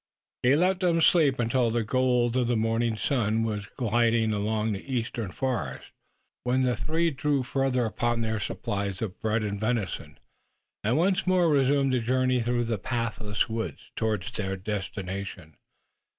He let them sleep until the gold of the morning sun was gilding the eastern forest, when the three drew further upon their supplies of bread and venison and once more resumed the journey through the pathless woods towards their destination.